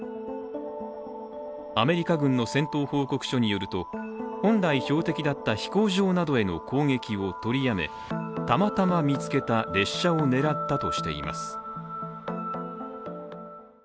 アメリカ軍の戦闘報告書によると本来標的だった飛行場などへの攻撃を取りやめたまたま見つけた列車を狙ったとしています。